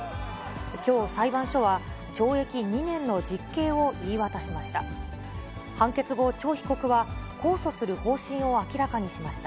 きょう、裁判所は懲役２年の実刑を言い渡しました。